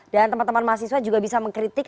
dan teman teman mahasiswa juga bisa m earning kritik